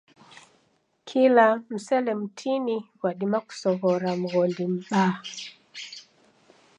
Kila msele mtini ghwadima kusoghora mghondi mbaa.